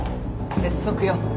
鉄則よ。